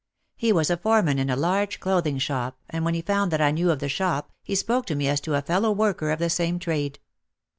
He was a foreman in a large clothing shop and when he found that I knew of the shop he spoke to me as to a fellow worker of the same trade.